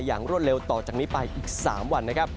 อย่างรวดเร็วต่อจากนี้ไปอีกสามวันนะครับ